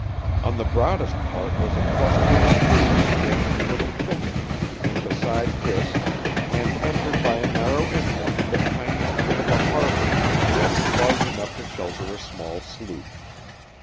On the broadest part was a cluster of spruce forming a little thicket and beside this, and entered by a narrow inlet the tiniest bit of a harbor, just large enough to shelter a small sloop.